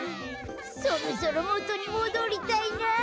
そろそろもとにもどりたいなあ。